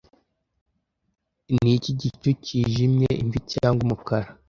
Niki gicu cyijimye-imvi cyangwa umukara,